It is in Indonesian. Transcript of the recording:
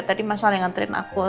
tadi masal yang ngerin aku